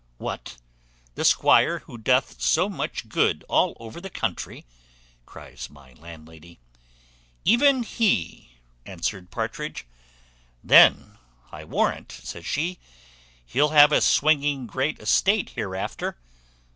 "What, the squire who doth so much good all over the country?" cries my landlady. "Even he," answered Partridge. "Then I warrant," says she, "he'll have a swinging great estate hereafter."